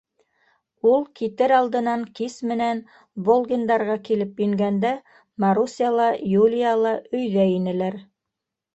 Ул китер алдынан кис менән Волгиндарға килеп ингәндә, Маруся ла, Юлия ла өйҙә инеләр.